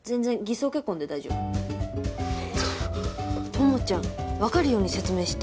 友ちゃんわかるように説明して。